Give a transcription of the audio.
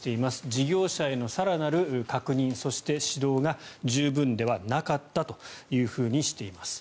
事業者への更なる確認そして指導が十分ではなかったとしています。